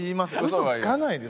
嘘つかないです。